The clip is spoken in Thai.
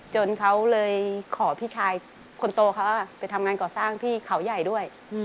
จนเขาเลยขอพี่ชายคนโตเขาไปทำงานก่อสร้างที่เขาใหญ่ด้วย